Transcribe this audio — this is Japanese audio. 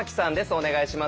お願いします。